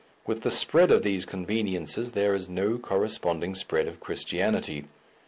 With the spread of these conveniences there is no corresponding spread of Christianity.